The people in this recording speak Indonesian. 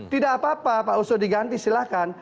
tidak apa apa pak oso diganti silahkan